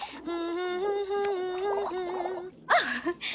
「あっ！